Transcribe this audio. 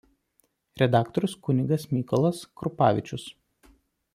Redaktorius kunigas Mykolas Krupavičius.